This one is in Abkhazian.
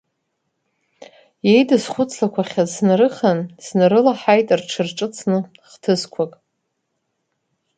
Иеидысхәыцлақәахьаз снарыхан, снарылаҳаит рҽырҿыцны хҭысқәак.